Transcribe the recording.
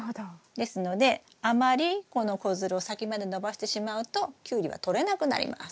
ですのであまりこの子づるを先まで伸ばしてしまうとキュウリはとれなくなります。